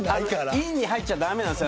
インに入っちゃ駄目なんです。